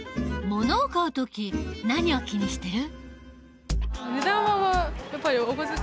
ものを買う時何を気にしてる？